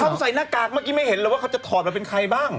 เขาใส่หน้ากากเมื่อกี้ไม่เห็นหรอกว่าเขาจะถอดมาเป็นใครบ้าง